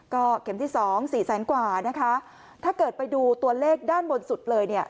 ก็เข็มที่สองสี่แสนกว่านะคะถ้าเกิดไปดูตัวเลขด้านบนสุดเลยเนี่ย